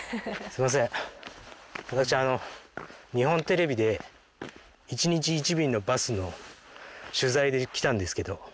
すいません私日本テレビで１日１便のバスの取材で来たんですけど。